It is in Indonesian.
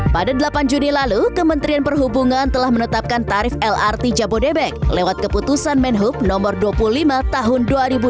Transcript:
pada delapan juni lalu kementerian perhubungan telah menetapkan tarif lrt jabodebek lewat keputusan menhub nomor dua puluh lima tahun dua ribu dua puluh